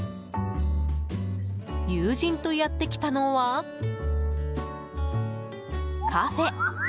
友人とやってきたのはカフェ。